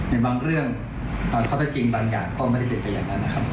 ในบางเรื่องข้อเท็จจริงบางอย่างก็ไม่ได้เป็นไปอย่างนั้นนะครับ